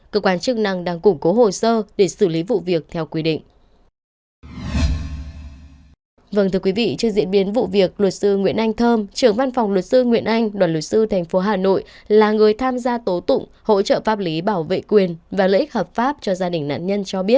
cơ quan chức năng đang củng cố hồ sơ để xử lý vụ việc theo quy định